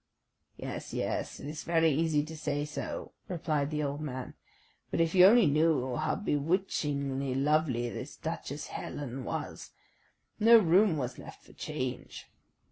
"Yes, yes; it is very easy to say so," replied the old man. "But if you only knew how bewitchingly lovely this Duchess Helen was, no room was left for change."